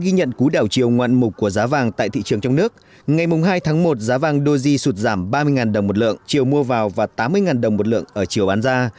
ghi nhận cú đảo chiều ngoạn mục của giá vàng tại thị trường trong nước ngày hai tháng một giá vàng doji sụt giảm ba mươi đồng một lượng chiều mua vào và tám mươi đồng một lượng ở chiều bán ra